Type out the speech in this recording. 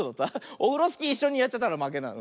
オフロスキーいっしょにやっちゃったらまけなんだ。